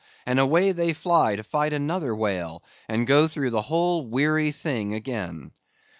and away they fly to fight another whale, and go through the whole weary thing again.